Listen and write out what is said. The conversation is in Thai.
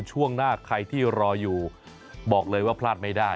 ช่วงหน้าใครที่รออยู่บอกเลยว่าพลาดไม่ได้